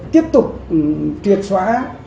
tiếp tục triệt xóa